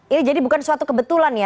ini jadi bukan suatu kebetulan ya